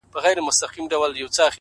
نیک اخلاق تلپاتې پانګه ده’